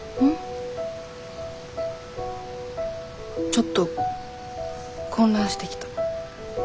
ちょっと混乱してきた。